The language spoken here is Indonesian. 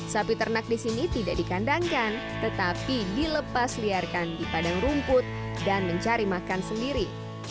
sapi ternak di sini tidak dikandangkan tetapi dilepas liarkan di padang rumput dan mencari makan sendiri